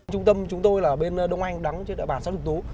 trung tâm chúng tôi là bên đông anh đắng trên đại bàn xác lục tú